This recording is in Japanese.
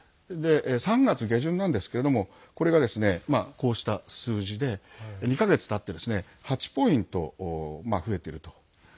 ３月下旬なんですけれどもこれが、こうした数字で２か月たって８ポイント増えていると。